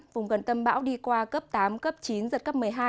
vùng gần tâm bão đi qua cấp tám cấp chín giật cấp một mươi hai